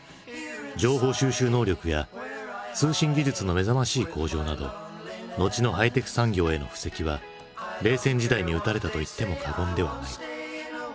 情報収集能力や通信技術の目覚ましい向上など後のハイテク産業への布石は冷戦時代に打たれたと言っても過言ではない。